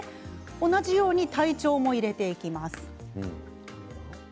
同じように体調も入れていきます。